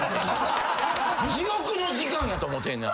地獄の時間やと思ってんねん。